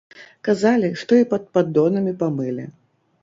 Казалі, што і пад паддонамі памылі.